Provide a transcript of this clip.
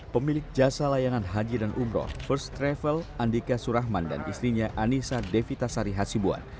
pemilik jasa layanan haji dan umroh first travel andika surahman dan istrinya anissa devita sari hasibuan